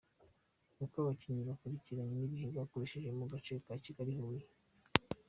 Ukoabakinnyi bakurikiranye n’ibihe bakoresheje mu gace Kigali-Huye